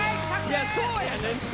いやそうやねんて。